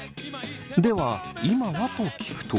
では「今は？」と聞くと。